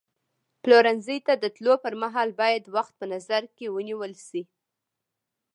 پلورنځي ته د تللو پر مهال باید وخت په نظر کې ونیول شي.